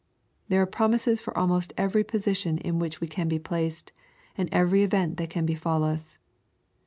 There are promises for almost every position in which we can be placed, and every event that can befall us.